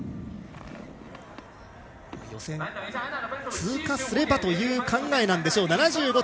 予選通過すればという考えなんでしょう。